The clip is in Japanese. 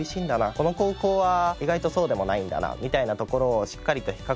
この高校は意外とそうでもないんだなみたいなところをしっかりと比較してもらって。